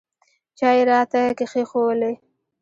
چای یې راته کښېښوولې.